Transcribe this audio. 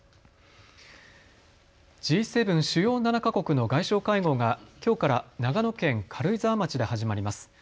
Ｇ７・主要７か国の外相会合がきょうから長野県軽井沢町で始まります。